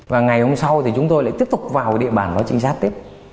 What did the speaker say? và ngày hôm sau thì chúng tôi lại tiếp tục vào địa bàn đó trinh sát tiếp